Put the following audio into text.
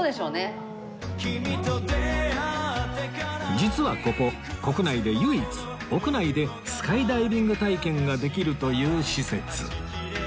実はここ国内で唯一屋内でスカイダイビング体験ができるという施設